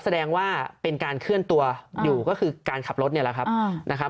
แสดงว่าเป็นการเคลื่อนตัวอยู่ก็คือการขับรถนี่แหละครับนะครับ